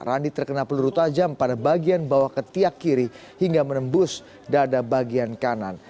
randi terkena peluru tajam pada bagian bawah ketiak kiri hingga menembus dada bagian kanan